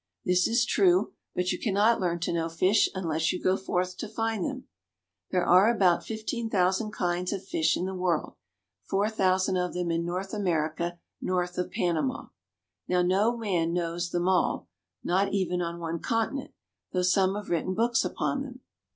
This is true, but you cannot learn to know fish unless you go forth to find them. There are about 15,000 kinds of fish in the world; 4,000 of them in North America, north of Panama. Now no man knows them all, not even on one continent, though some have written books upon them.